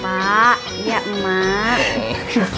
mak aku mau ke rumah aku dulu